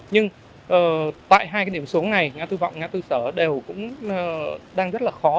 nhưng tại hai cái điểm số này ngã tư vọng ngã tư sở đều cũng đang rất là khó